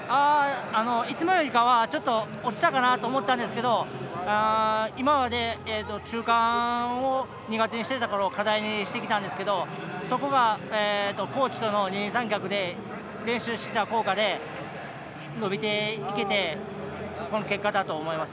いつもよりかはちょっと落ちたかなと思ったんですけど今まで中間を苦手にしていたところを課題にしてきたんですけどそこがコーチとの二人三脚で練習してきた効果で伸びていけてこの結果だと思います。